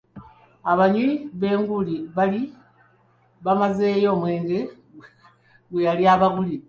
Abanywi b'enguuli baali bamazeeyo omwenge gwe yali abagulidde.